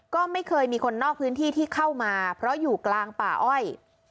ก็ไม่เคยมีคนนอกพื้นที่ที่เข้ามาเพราะอยู่กลางป่าอ้อย